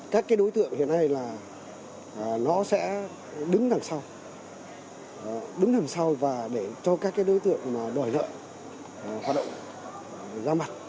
các đối tượng hiện nay là nó sẽ đứng đằng sau đứng đằng sau và để cho các đối tượng đòi lợi hoạt động ra mặt